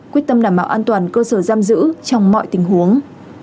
quyết tâm đảm bảo an toàn cơ sở giam giữ trong mọi tình huống